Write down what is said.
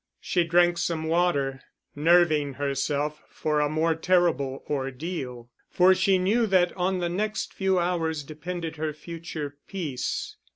She drank some water, nerving herself for a more terrible ordeal; for she knew that on the next few hours depended her future peace.